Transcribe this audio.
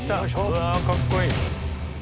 うわかっこいい。